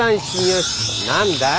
何だい？